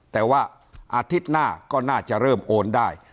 แต่ว่าอาทิตย์หน้าก็น่าจะเริ่มโอนได้